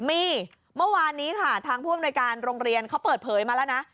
มีเมื่อวานนี้ค่ะทางผู้อำนวยการโรงเรียนเขาเปิดเผยมาแล้วนะ